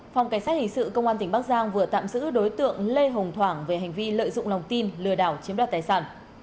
phòng cảnh sát hình sự công an tỉnh bắc giang vừa tạm giữ đối tượng lê hồng thoảng về hành vi lợi dụng lòng tin lừa đảo chiếm đoạt tài sản